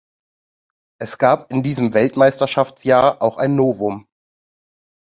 Es gab in diesem Weltmeisterschaftsjahr auch ein Novum.